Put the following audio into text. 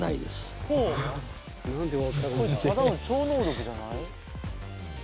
ただの超能力じゃない？